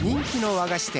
和菓子店